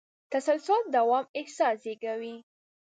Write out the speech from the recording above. تسلسل د دوام احساس زېږوي.